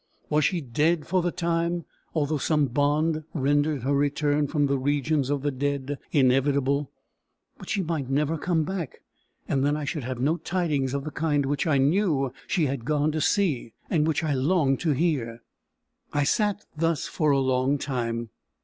Was she dead for the time, although some bond rendered her return from the regions of the dead inevitable? But she might never come back, and then I should have no tidings of the kind which I knew she had gone to see, and which I longed to hear! I sat thus for a long time.